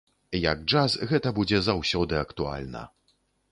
Як джаз, гэта будзе заўсёды актуальна.